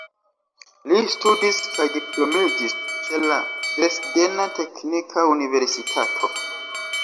Li studis kaj diplomiĝis ĉe la Dresdena Teknika Universitato.